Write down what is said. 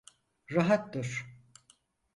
Rahat dur!